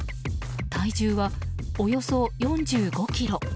体重は、およそ４５ｋｇ。